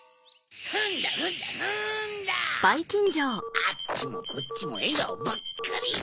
・あっちもこっちもえがおばっかり！